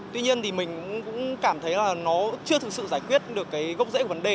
tuy nhiên thì mình cũng cảm thấy là nó chưa thực sự giải quyết được cái gốc rễ của vấn đề